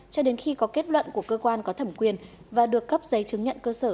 cho đến khi có kết luận của cơ quan có thẩm quyền và được cấp giấy chứng nhận cơ sở